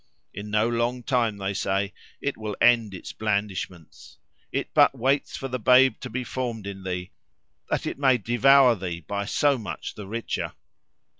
In no long time, they say, it will end its blandishments. It but waits for the babe to be formed in thee, that it may devour thee by so much the richer.